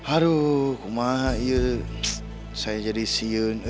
aduh kumah saya jadi siun